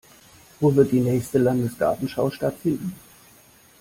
Wo wird die nächste Landesgartenschau stattfinden?